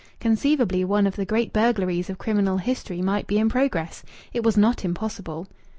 Conceivably one of the great burglaries of criminal history might be in progress. It was not impossible.